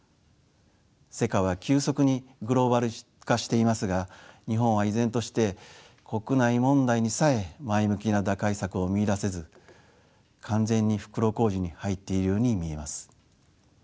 世界は急速にグローバル化していますが日本は依然として国内問題にさえ前向きな打開策を見いだせず完全に袋小路に入っているように見えます。